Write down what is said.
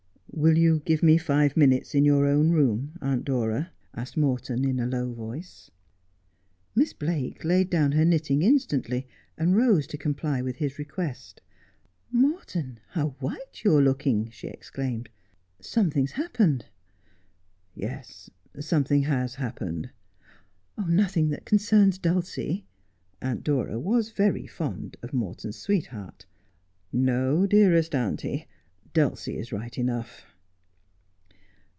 ' Will you give me five minutes in your own room, Aunt Dora ?' asked Morton in a low voice. Miss Blake laid down her knitting instantly, and rose to comply with his request. ' Morton, how white you are looking !' she exclaimed. ' Some thing has happened. 5 ' Yes, something has happened.' ' Nothing that concerns Dulcie 1 ' Aunt Dora was very fond of Morton's sweetheart. ' No, dearest auntie, Dulcie is right enough.'